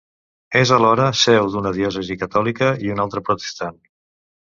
És alhora seu d'una diòcesi catòlica i una altra protestant.